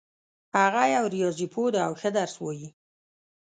هغه یو ریاضي پوه ده او ښه درس وایي